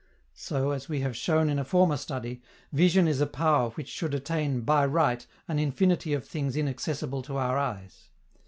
So, as we have shown in a former study, vision is a power which should attain by right an infinity of things inaccessible to our eyes.